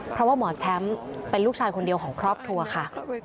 เพราะว่าหมอแชมป์เป็นลูกชายคนเดียวของครอบครัวค่ะ